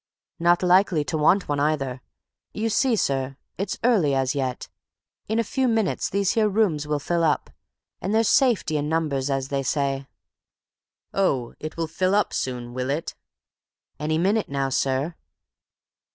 "Not likely to want one either. You see, sir, it's early as yet; in a few minutes these here rooms will fill up; and there's safety in numbers, as they say." "Oh, it will fill up soon, will it?" "Any minute now, sir."